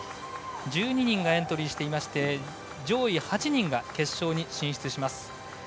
１２人がエントリーしていまして上位８人が決勝に進出します。